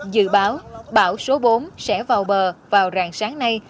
dự báo bão số bốn sẽ vào bờ vào rạng sáng nay